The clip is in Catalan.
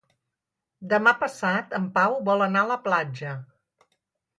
Demà passat en Pau vol anar a la platja.